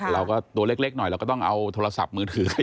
ตัวเล็กหน่อยเราก็ต้องเอาโทรศัพท์มือถือ